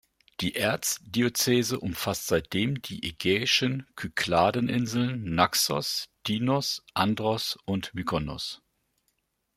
Die Erzdiözese umfasst seitdem die ägäischen Kykladen-Inseln Naxos, Tinos, Andros und Mykonos.